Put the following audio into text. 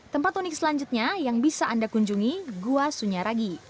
tempat unik selanjutnya yang bisa anda kunjungi gua sunyaragi